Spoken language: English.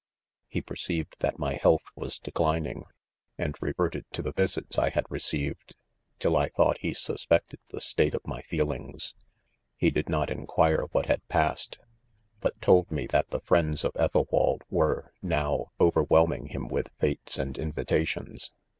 He perceiv ed that my health was declining, and reverted to the visits I had received, till I thought he suspected the state of my feelings* He did not enquire what had passed, but told me that the friends of Ethelwald were, now, overwhel ming him with fetes and invitations.